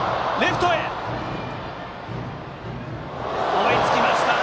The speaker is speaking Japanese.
追いつきました！